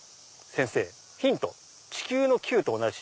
先生『ヒント地球のきゅうと同じ』」。